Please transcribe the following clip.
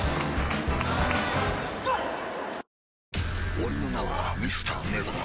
俺の名はＭｒ．ＮＥＶＥＲ。